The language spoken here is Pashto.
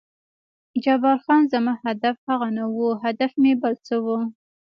جبار خان: زما هدف هغه نه و، هدف مې بل څه و.